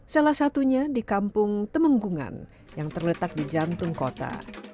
salah satunya di kampung temenggungan yang terletak di jantung kota